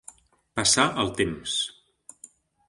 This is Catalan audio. Passar el temps.